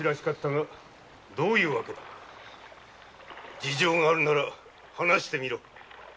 事情があるなら話してみろ。